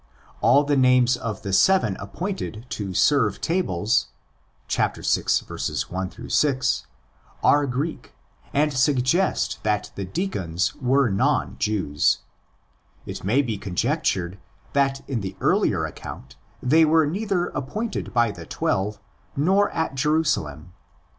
All the names of the seven appointed to '' serve tables"' (vi. 1 6) are Greek, THE ORIGIN OF ACTS 83 and suggest that the deacons were non Jews. It may be conjectured that in the earlier account they were neither appointed by the Twelve nor at Jerusalem.